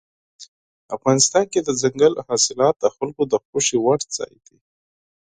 افغانستان کې دځنګل حاصلات د خلکو د خوښې وړ ځای دی.